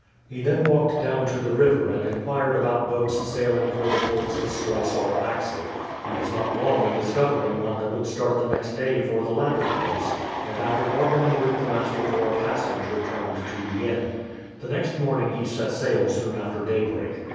He then walked down to the river and inquired about boats sailing for the ports of Sluys or Axel. He was not long in discovering one that would start the next day for the latter place, and after bargaining with the master for a passage returned to the inn. The next morning he set sail soon after daybreak.